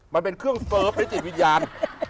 มันเป็นเครื่องเฟิร์ฟและจิตวิญญาณ